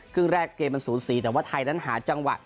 ครึ่งแรกเกมมันสูสีแต่ว่าไทยนั้นหาจังหวะ